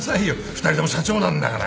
２人とも社長なんだから。